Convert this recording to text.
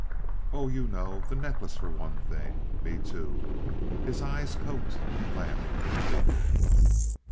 "Oh, you know. The necklace for one thing. Me, too." His eyes coaxed and laughed and pleaded.